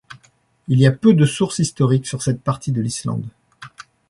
Il y a peu de sources historiques sur cette partie de l'Islande.